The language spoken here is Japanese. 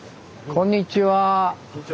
こんにちは。